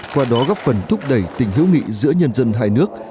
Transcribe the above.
qua đó góp phần thúc đẩy tình hữu nghị giữa nhân dân hai nước